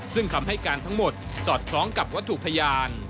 ซึ่งคำให้การทั้งหมดสอดคล้องกับวัตถุพยาน